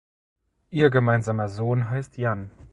Ihr gemeinsamer Sohn heißt Jan.